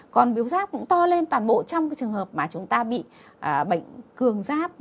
còn biểu giáp cũng to lên toàn bộ trong trường hợp mà chúng ta bị bệnh cường giáp